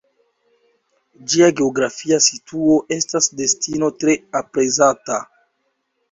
Ĝia geografia situo estas destino tre aprezata.